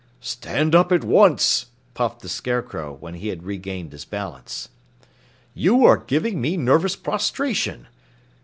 "Stand up at once," puffed the Scarecrow when he had regained his balance. "You are giving me nervous prostration.